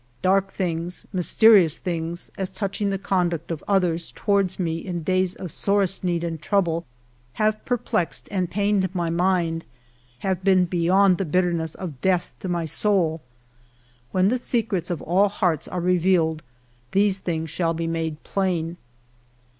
Dark things, mysterious things, as touching the conduct of others towards me in days of sorest need and trouble, have per plexed and pained my mind — have been beyond the bitter ness of death to my soul. When the secrets of all hearts are revealed these things shall be made plain.